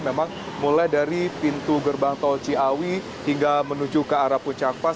memang mulai dari pintu gerbang tol ciawi hingga menuju ke arah puncak pas